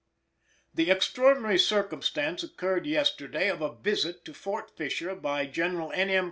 The extraordinary circumstance occurred yesterday of a visit to Fort Fisher by General N. M.